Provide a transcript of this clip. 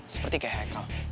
seperti kayak haikal